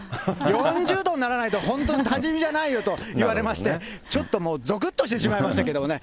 ４０度にならないと本当の多治見じゃないよと言われまして、ちょっともう、ぞくっとしてしまいましたけどもね。